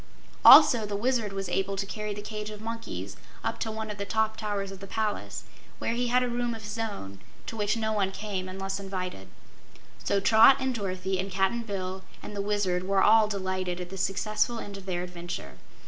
Also the Wizard was able to carry the cage of monkeys up to one of the top towers of the palace, where he had a room of his own, to which no one came unless invited. So Trot and Dorothy and Cap'n Bill and the Wizard were all delighted at the successful end of their adventure.